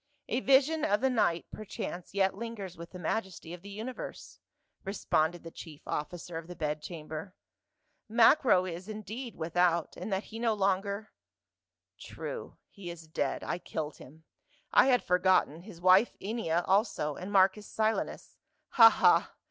" A vision of the night perchance yet lingers with the majesty of the universe," responded the chief offi cer of the bed chamber. " Macro is indeed without, in that he no longer —" "True, he is dead; I killed him. I had forgotten, his wife Ennia also, and Marcus Silanus. Ha, ha